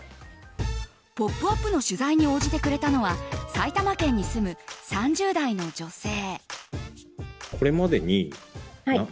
「ポップＵＰ！」の取材に応じてくれたのは埼玉県に住む３０代の女性。